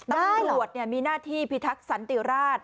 ตำรวจมีหน้าที่พิทักษ์สันติราช